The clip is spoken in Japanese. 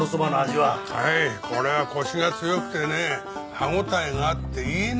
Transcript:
はいこれはコシが強くてね歯応えがあっていいね。